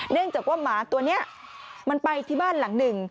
เนื่องจากว่าหมาตัวนี้มันไปที่บ้านหลังหนึ่ง